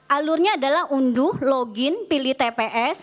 alurnya adalah unduh login pilih tps